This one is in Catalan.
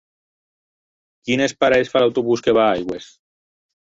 Quines parades fa l'autobús que va a Aigües?